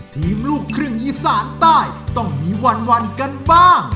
ลูกครึ่งอีสานใต้ต้องมีวันกันบ้าง